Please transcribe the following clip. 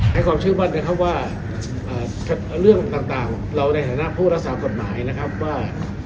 ให้ความเชื่อมั่นนะครับว่าเรื่องต่างเราในฐานะผู้รักษากฎหมายนะครับว่า